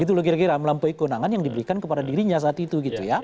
gitu loh kira kira melampaui kewenangan yang diberikan kepada dirinya saat itu